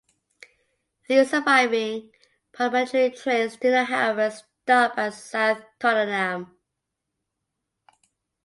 These surviving parliamentary trains do not however stop at South Tottenham.